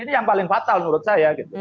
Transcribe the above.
ini yang paling fatal menurut saya